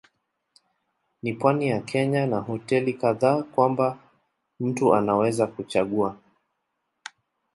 Ni pwani ya Kenya na hoteli kadhaa kwamba mtu anaweza kuchagua.